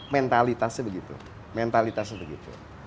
mentalitasnya begitu mentalitasnya begitu